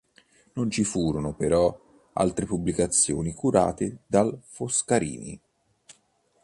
Non ci furono però altre pubblicazioni curate dal Foscarini.